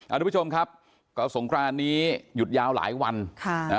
ทุกผู้ชมครับก็สงครานนี้หยุดยาวหลายวันค่ะนะฮะ